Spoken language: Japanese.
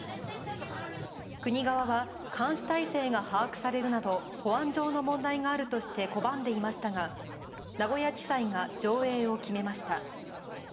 国側は監視体制が把握されるなど保安上の問題があるとして拒んでいましたが名古屋地裁が上映を決めました。